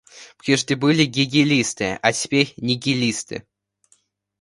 Прежде были гегелисты, а теперь нигилисты.